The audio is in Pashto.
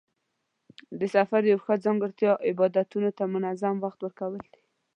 د سفر یوه ښه ځانګړتیا عباداتو ته منظم وخت ورکول دي.